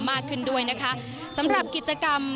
มากขึ้นด้วยนะคะสำหรับกิจกรรม